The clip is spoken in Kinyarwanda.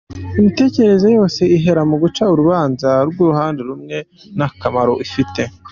Imitekerereze yose ihera muguca urubanza rw'uruhande rumwe ntakamaro ifite.